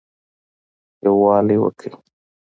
يووالى وکړٸ